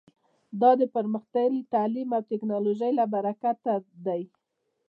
دا د پرمختللي تعلیم او ټکنالوژۍ له برکته دی